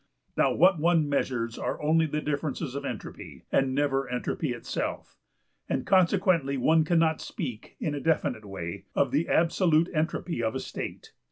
Now what one measures are only the differences of entropy, and never entropy itself, and consequently one cannot speak, in a definite way, of the absolute entropy of a state.